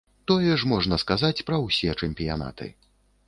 Тое ж можна казаць пра ўсе чэмпіянаты.